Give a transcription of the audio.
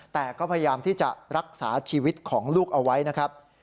แต่ก็พยายามที่จะรักษาชีวิตของลูกเอาไว้นะครับ